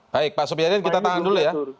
baik pak supyadin kita tahan dulu ya